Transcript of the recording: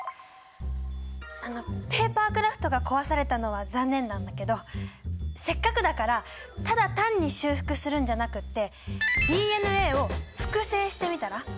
あのペーパークラフトが壊されたのは残念なんだけどせっかくだからただ単に修復するんじゃなくてＤＮＡを複製してみたら？